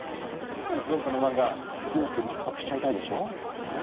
どうこの漫画今すぐパクパクしちゃいたいでしょ？